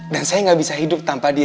dan saya gak bisa hidup tanpa dia